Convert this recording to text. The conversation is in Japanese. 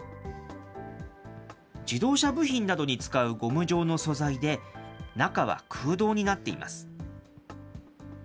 自動車部品などに使うゴム状の素材で、中は空洞になっています。